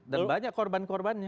dan banyak korban korbannya